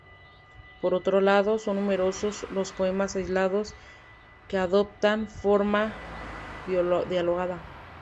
Por otro lado, son numerosos los poemas aislados que adoptan forma dialogada.